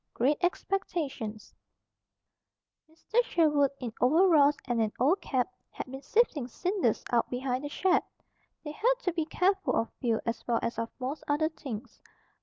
GREAT EXPECTATIONS Mr. Sherwood, in overalls and an old cap, had been sifting cinders out behind the shed. They had to be careful of fuel as well as of most other things.